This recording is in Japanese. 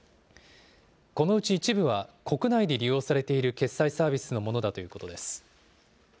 このうち一部は国内で利用されている決済サービスのものだということです。